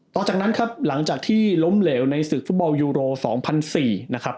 ต่อจากนั้นครับหลังจากที่ล้มเหลวในศึกฟุตบอลยูโร๒๐๐๔นะครับ